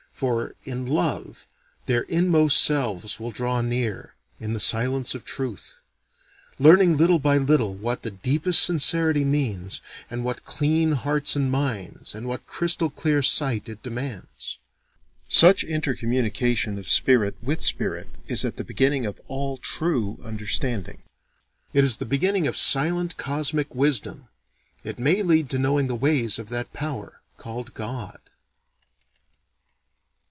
For, in love, their inmost selves will draw near, in the silence of truth; learning little by little what the deepest sincerity means, and what clean hearts and minds and what crystal clear sight it demands. Such intercommunication of spirit with spirit is at the beginning of all true understanding. It is the beginning of silent cosmic wisdom: it may lead to knowing the ways of that power called God.